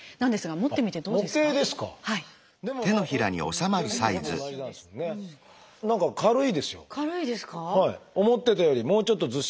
思ってたよりもうちょっとずっしり。